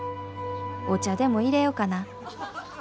お茶でもいれよかな。